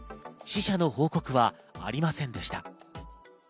死者の報告はありませんでした。